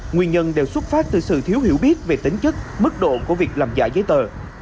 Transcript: nguyên nhân đều xuất phát từ sự thiếu hiểu biết về tính chất mức độ của việc làm giả giấy tờ